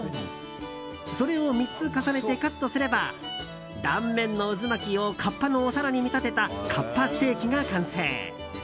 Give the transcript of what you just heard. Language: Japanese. それを３つ重ねてカットすれば断面の渦巻きをカッパのお皿に見立てたかっぱステーキが完成。